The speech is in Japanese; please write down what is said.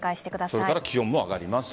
それから気温も上がります。